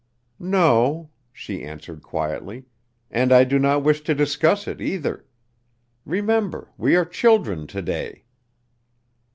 "No," she answered quietly, "and I do not wish to discuss it, either. Remember, we are children to day."